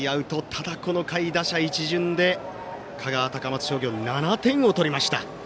ただ、この回、打者一巡で香川・高松商業７点を取りました。